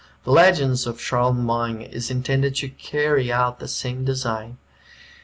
The "Legends of Charlemagne" is intended to carry out the same design.